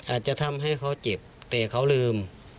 อาจจะทำให้เขาเจ็บแต่เขาลืม